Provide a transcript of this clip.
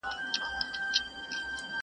خلک غوټۍ ته روڼي شپې کړي!